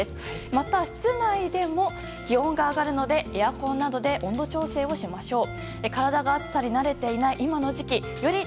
また、室内でも気温が上がるのでエアコンなどで温度調整をしましょう。